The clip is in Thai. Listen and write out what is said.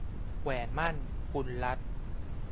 แหวนหมั้น - กุลรัตน์